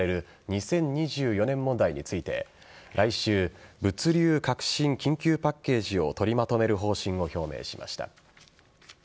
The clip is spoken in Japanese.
２０２４年問題について来週、物流革新緊急パッケージを取りまとめる方針を表明しました。